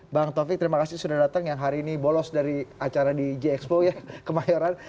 bang taufik terima kasih sudah datang yang hari ini bolos dari acara di jxpo ya kemayoran